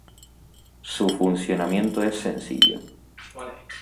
Su funcionamiento es sencillo.